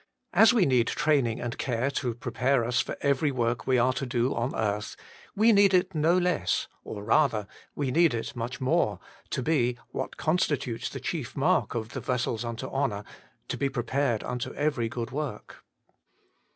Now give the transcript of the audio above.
As we need training and care to prepare us for every work we are to do on earth, we need it no less, or rather we need it much more, to be — what constitutes the chief mark of the vessels unto honour — to be prepared unto every good work.